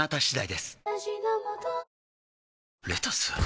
レタス！？